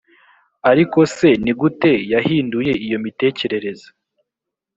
ariko se ni gute yahinduye iyo mitekerereze